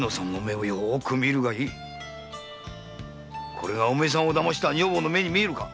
これがお前さんをだました女房の目に見えるか！